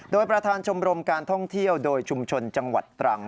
โดยประธานชมรมการท่องเที่ยวโดยชุมชนจังหวัดตรัง